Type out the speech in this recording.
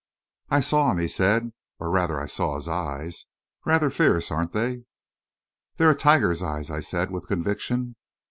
"I saw him," he said. "Or, rather, I saw his eyes. Rather fierce, aren't they?" "They're a tiger's eyes," I said, with conviction.